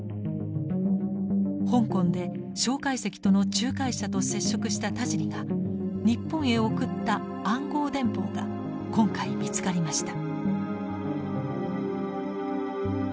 香港で介石との仲介者と接触した田尻が日本へ送った暗号電報が今回見つかりました。